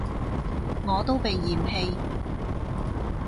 我都被嫌棄